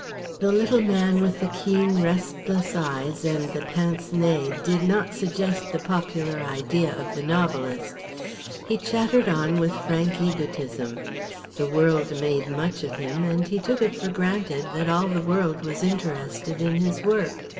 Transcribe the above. The little man with the keen restless eyes and the pince nez did not suggest the popular idea of the novelist. He chattered on with frank egotism. The world made much of him, and he took it for granted that all the world was interested in his work.